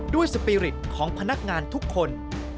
สปีริตของพนักงานทุกคน